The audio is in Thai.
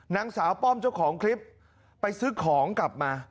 นางสาวป้อมเจ้าของคลิปไปซื้อของกลับมา